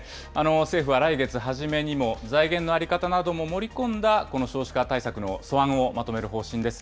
政府は来月初めにも、財源の在り方なども盛り込んだ、この少子化対策の素案をまとめる方針です。